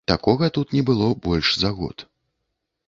Такога тут не было больш за год.